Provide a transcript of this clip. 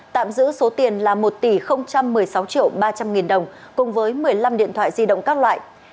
tạm giữ số tiền là một tỷ một mươi sáu triệu ba trăm linh nghìn đồng cùng với một mươi năm điện thoại di động các loại